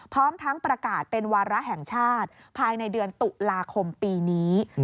พร้อมทั้งประกาศเป็นวาระแห่งชาติภายในเดือนตุลาคมปีนี้